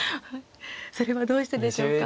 それはどうしてでしょうか。